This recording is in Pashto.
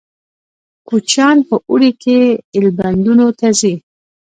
کوچیان په اوړي کې ایلبندونو ته ځي